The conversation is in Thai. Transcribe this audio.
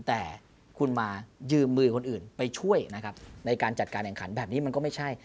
แต่คุณมายืมมือคนอื่นไปช่วยนะครับในการจัดการแข่งขันแบบนี้มันก็ไม่ใช่